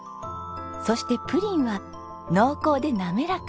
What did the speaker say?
そしてプリンは濃厚でなめらか。